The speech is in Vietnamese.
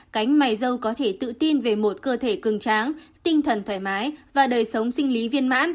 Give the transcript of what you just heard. cánh mài dâu có thể tự tin về một cơ thể cường tráng tinh thần thoải mái và đời sống sinh lý viên mãn